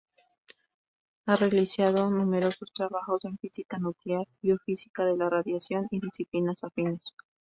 Ha realizado numerosos trabajos en física nuclear, biofísica de la radiación y disciplinas afines.